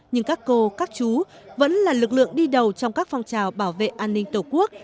nhưng các cô các chú vẫn là lực lượng đi đầu trong các phong trào bảo vệ an ninh tổ quốc